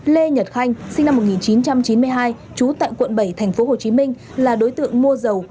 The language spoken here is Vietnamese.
lê nhật khanh sinh năm một nghìn chín trăm chín mươi hai trú tại quận bảy tp hcm là đối tượng mua dầu